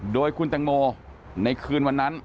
โดยคุณตังโมในคืนวันนั้น